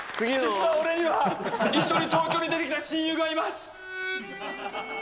実は俺には一緒に東京に出てきた親友がいます。